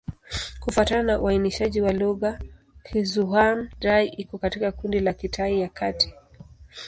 Kufuatana na uainishaji wa lugha, Kizhuang-Dai iko katika kundi la Kitai ya Kati.